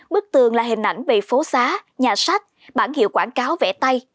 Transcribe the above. bức tường là hình ảnh về phố xá nhà sách bản hiệu quảng cáo vẽ tay